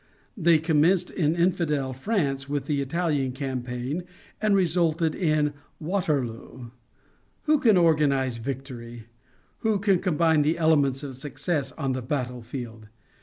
They commenced in infidel France with the Italian campaign, and resulted in Waterloo. Who can organize victory? Who can combine the elements of success on the battlefield?